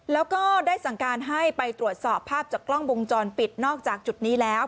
แล้วก็ได้สั่งการให้ไปตรวจสอบภาพจากกล้องวงจรปิดนอกจากจุดนี้แล้ว